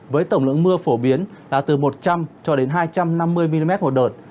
với tổng lượng mưa phổ biến là từ một trăm linh cho đến hai trăm năm mươi mm một đợt